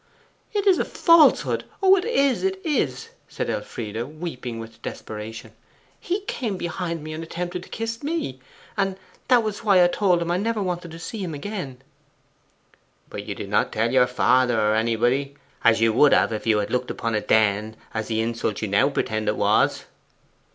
'It is a falsehood; oh, it is, it is!' said Elfride, weeping with desperation. 'He came behind me, and attempted to kiss me; and that was why I told him never to let me see him again.' 'But you did not tell your father or anybody, as you would have if you had looked upon it then as the insult you now pretend it was.